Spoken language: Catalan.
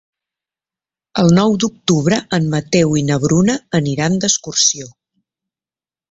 El nou d'octubre en Mateu i na Bruna aniran d'excursió.